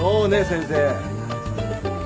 先生。